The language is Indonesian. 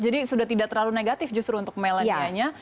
jadi sudah tidak terlalu negatif justru untuk melania nya